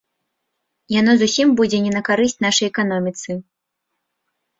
Яно зусім будзе не на карысць нашай эканоміцы.